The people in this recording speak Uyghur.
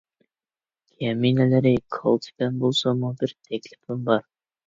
كەمىنىلىرى كالتە پەم بولساممۇ بىر تەكلىپىم بار.